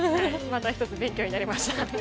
また１つ勉強になりました。